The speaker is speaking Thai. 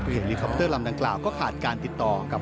เฮลิคอปเตอร์ลำดังกล่าวก็ขาดการติดต่อกับ